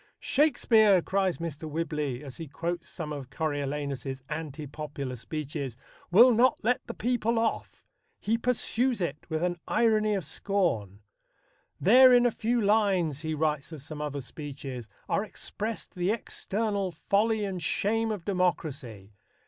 "Shakespeare," cries Mr. Whibley, as he quotes some of Coriolanus's anti popular speeches, "will not let the people off. He pursues it with an irony of scorn." "There in a few lines," he writes of some other speeches, "are expressed the external folly and shame of democracy.